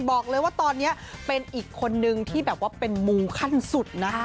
บอกเลยว่าตอนนี้เป็นอีกคนนึงที่แบบว่าเป็นมูขั้นสุดนะ